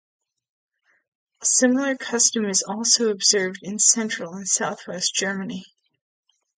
A similar custom is also observed in central and southwest Germany.